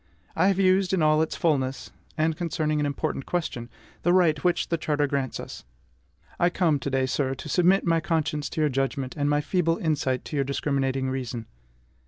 I have used, in all its fulness, and concerning an important question, the right which the charter grants us. I come to day, sir, to submit my conscience to your judgment, and my feeble insight to your discriminating reason.